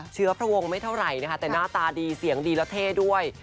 พระวงศ์ไม่เท่าไหร่นะคะแต่หน้าตาดีเสียงดีแล้วเท่ด้วย